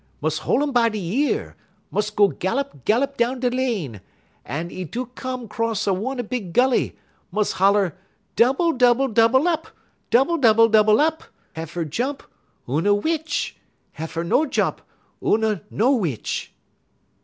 Mus' hol' um by 'e year; mus' go gallop, gallop down da' lane, tel 'e do come 'cross one a big gully. Mus' holler, 'Double, double, double up! double, double, double up!' Heifer jump, oona witch; heifer no jump, oona no witch."